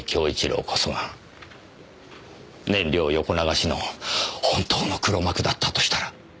良こそが燃料横流しの本当の黒幕だったとしたら。